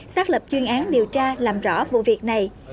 xác lập chuyên án điều tra làm rõ vụ việc này